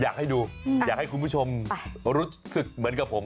อยากให้ดูอยากให้คุณผู้ชมรู้สึกเหมือนกับผม